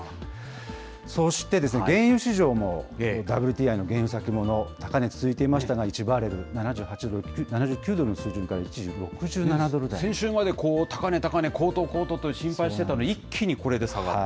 そして、原油市場もＷＴＩの原油先物、高値続いていましたが、１バレル７９ドルの水準から一時６先週まで高値高値、高騰、高騰と心配していたのに一気にこれで下がった。